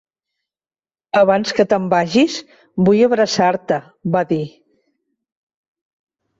"Abans que te'n vagis, vull abraçar-te", va dir.